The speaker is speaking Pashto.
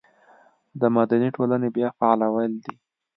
د مدني ټولنې بیا فعالول دي.